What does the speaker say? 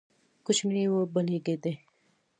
کوچنی یې وبلېږدی،